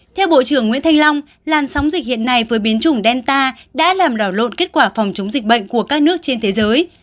theo bộ trưởng nguyễn thanh long làn sóng dịch hiện nay với biến chủng delta đã làm đảo lộn kết quả phòng chống dịch bệnh của các nước trên thế giới